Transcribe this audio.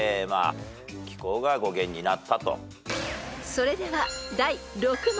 ［それでは第６問］